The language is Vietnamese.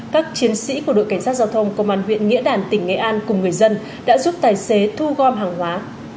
các chiến sĩ của đội cảnh sát giao thông công an huyện nghĩa đàn tỉnh nghệ an cùng người dân đã giúp tài xế thu gom hàng hóa